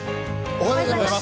おはようございます。